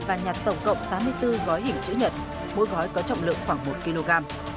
và nhặt tổng cộng tám mươi bốn gói hình chữ nhật mỗi gói có trọng lượng khoảng một kg